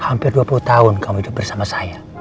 hampir dua puluh tahun kamu hidup bersama saya